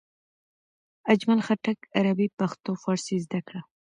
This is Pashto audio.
اجمل خټک عربي، پښتو او فارسي زده کړه.